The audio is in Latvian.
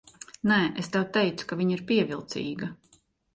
Nē, es tev teicu, ka viņa ir pievilcīga.